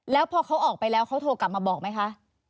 แล้วพอเขาออกไปแล้วเขาโทรกลับมาบอกไหมคะ